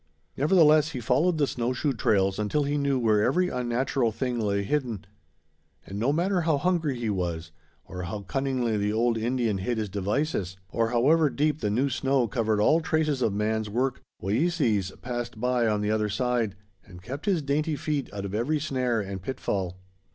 Nevertheless he followed the snow shoe trails until he knew where every unnatural thing lay hidden; and no matter how hungry he was, or how cunningly the old Indian hid his devices, or however deep the new snow covered all traces of man's work, Wayeeses passed by on the other side and kept his dainty feet out of every snare and pitfall.